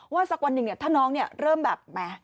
ว่าสักวันหนึ่งถ้าน้องเริ่มแบบแม่